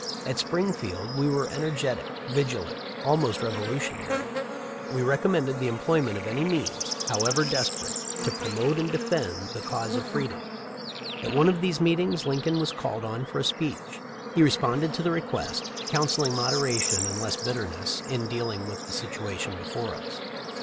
At Springfield we were en ergetic, vigilant, almost revolutionary. We recom mended the employment of any means, however desperate, to promote and defend the cause of free dom. At one of these meetings Lincoln was called on for a speech. He responded to the request, counselling moderation and less bitterness in deal ing with the situation before us.